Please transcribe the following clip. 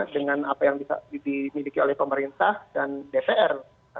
dengan apa yang bisa dimiliki oleh pemerintah dan dpr